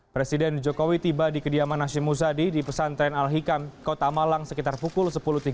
presiden jokowi tiba di kediaman hashim muzadi di pesantren al hikam kota malang sekitar pukul sepuluh tiga puluh